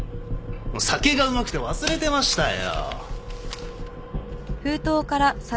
酒がうまくて忘れてましたよ。